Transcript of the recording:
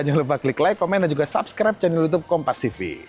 jangan lupa klik like komen dan juga subscrab yang ditutup kompas tv